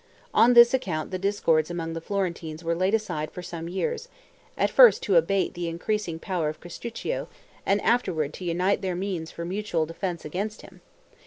On this account the discords among the Florentines were laid aside for some years, at first to abate the increasing power of Castruccio, and afterward to unite their means for mutual defense against him.